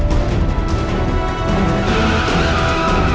tu kenapa ngunjung kayak gitu